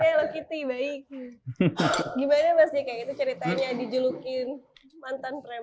gimana mas jika itu ceritanya dijelukin mantan preman